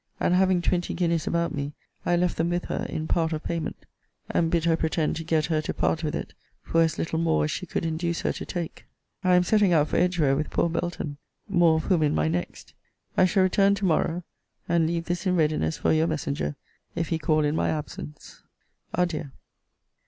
And having twenty guineas about me, I left them with her, in part of payment; and bid her pretend to get her to part with it for as little more as she could induce her to take. I am setting out for Edgeware with poor Belton more of whom in my next. I shall return to morrow; and leave this in readiness for your messenger, if he call in my absence. ADIEU.